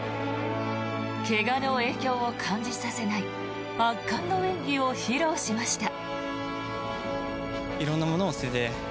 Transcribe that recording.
怪我の影響を感じさせない圧巻の演技を披露しました。